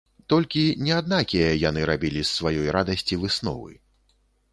Толькі не аднакія яны рабілі з сваёй радасці высновы.